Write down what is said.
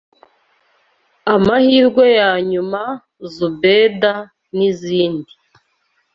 Amahirwe ya Nyuma, Zoubeda n’izindi